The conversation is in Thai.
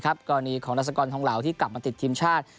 กรณีของรัสกรทองเหล่าที่กลับมาติดทีมชาติ